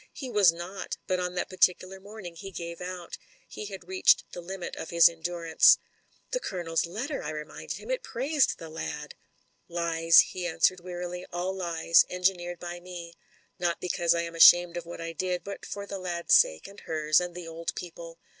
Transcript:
"He was not; but on that particular morning he gave out. He had reached the limit of his endurance." "The Colonel's letter," I reminded him; "it praised the lad." 'Tries," he answered wearily, "all lies, engineered by me. Not because I am ashamed of what I did, but for the lad's sake, and hers, and the old people.